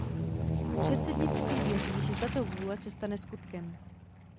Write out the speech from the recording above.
Předsednictví věří, že tato vůle se stane skutkem.